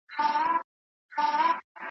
دوستان یوازې په قدرت کي وي.